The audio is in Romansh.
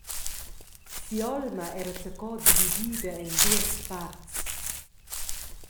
Si’olma era zaco dividida en duas parts.